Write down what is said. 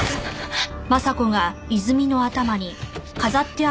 あっ。